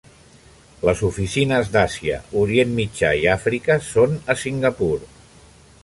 Les oficines d'Àsia, Orient Mitjà i Àfrica són a Singapur.